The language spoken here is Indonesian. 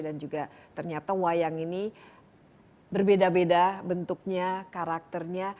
dan juga ternyata wayang ini berbeda beda bentuknya karakternya